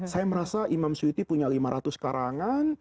saya merasa imam suyuti punya lima ratus karangan